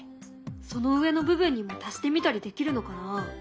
その上の部分にも足してみたりできるのかな？